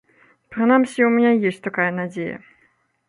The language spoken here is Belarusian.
Прынамсі, у мяне ёсць такая надзея.